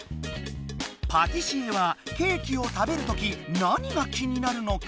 パティシエはケーキを食べるとき何が気になるのか？